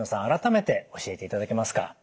改めて教えていただけますか。